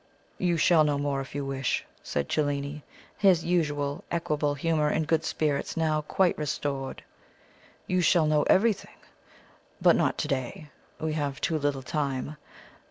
"You shall know more if you wish," said Cellini, his usual equable humour and good spirits now quite restored. "You shall know everything; but not to day. We have too little time.